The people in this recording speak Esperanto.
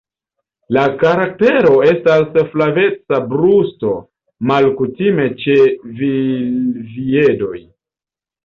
La karaktero estas flaveca brusto malkutime ĉe silviedoj.